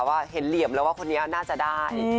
ว่าเห็นเหลี่ยมแล้วว่าคนนี้น่าจะได้